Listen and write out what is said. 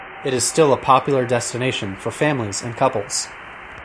It is still a popular destination for families and couples.